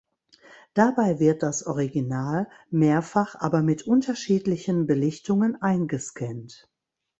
Dabei wird das Original mehrfach, aber mit unterschiedlichen Belichtungen, eingescannt.